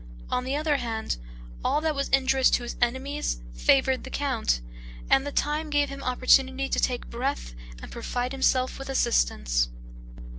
On the other hand, all that was injurious to his enemies favored the count, and the time gave him opportunity to take breath and provide himself with assistance.